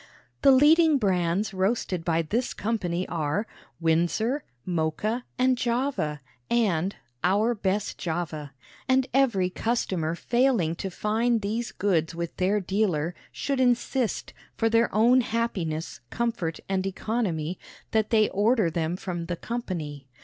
The leading brands roasted by this company are "Windsor, Mocha, and Java," and "Our Best Java," and every customer failing to find these goods with their dealer should insist, for their own happiness, comfort, and economy, that they order them from the company.